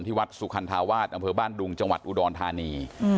วัดสุคันธาวาสอำเภอบ้านดุงจังหวัดอุดรธานี